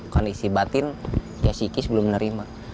kondisi batin ya psikis belum menerima